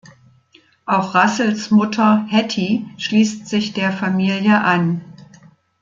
Auch Russells Mutter Hattie schließt sich der Familie an.